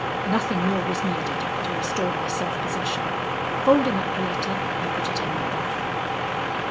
Nothing more was needed to restore my self possession. Folding up the letter, I put it in my bag.